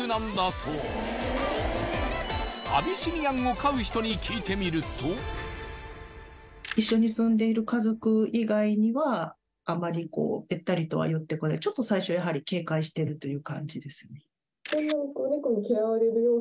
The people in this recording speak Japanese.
そうアビシニアンを飼う人に聞いてみると一緒に住んでいる家族以外にはあんまりこうべったりとは寄ってこないちょっと最初やはり警戒しているという感じですね